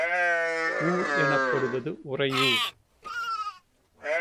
ஊர் எனப்படுவது உறையூர்.